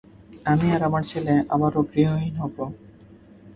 আমি আর আমার ছেলে আবারও গৃহহীন হবো।